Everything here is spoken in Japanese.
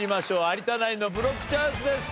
有田ナインのブロックチャンスです。